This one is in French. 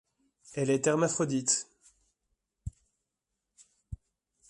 Elle est hermaphrodite.